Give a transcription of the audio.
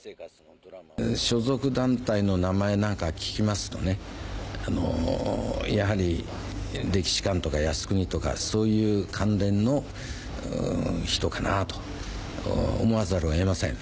所属団体の名前なんか聞きますとね、やはり歴史観とか靖国とか、そういう関連の人かなと思わざるをえません。